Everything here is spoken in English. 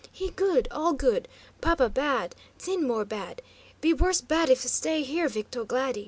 "He good; all good! Paba bad; 'Tzin more bad; be worse bad if stay here, Victo Glady."